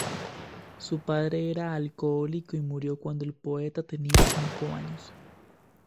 Su padre era alcohólico y murió cuando el poeta tenía cinco años.